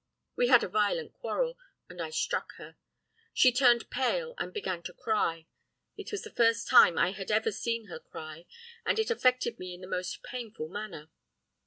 We had a violent quarrel, and I struck her. She turned pale and began to cry. It was the first time I had ever seen her cry, and it affected me in the most painful manner.